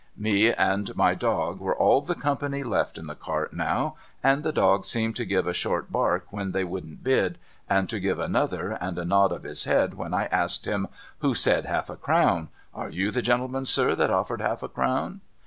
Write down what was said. Me and my dog were all the company left in the cart now ; and the dog learned to give a short bark when they wouldn't l)id, and to give another and a nod of his head when I asked him, ' Who said half a crown ? Are you the gentleman, sir, that oftered half a crown